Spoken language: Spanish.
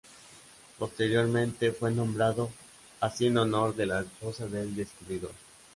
Posteriormente fue nombrado así en honor de la esposa del descubridor.